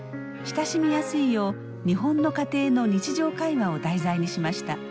親しみやすいよう日本の家庭の日常会話を題材にしました。